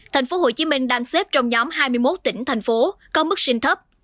tp hcm đang xếp trong nhóm hai mươi một tỉnh thành phố có mức sinh thấp